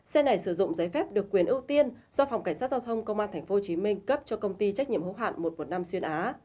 xe này sử dụng giấy phép được quyền ưu tiên do phòng cảnh sát giao thông công an tp hcm cấp cho công ty trách nhiệm hữu hạn một trăm một mươi năm xuyên á